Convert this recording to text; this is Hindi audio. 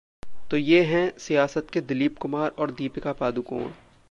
...तो ये हैं सियासत के 'दिलीप कुमार' और 'दीपिका पादुकोण'